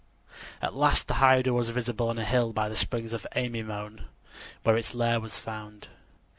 At last the hydra was visible on a hill by the springs of Amymone, where its lair was found.